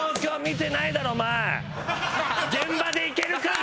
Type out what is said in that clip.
現場でいけるか？